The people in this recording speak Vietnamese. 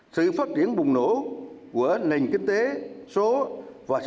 sự phát triển bùng nổ của nền kinh tế số và sở hữu